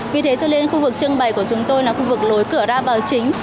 vì thế cho nên khu vực trưng bày của chúng tôi là khu vực lối cửa ra vào chính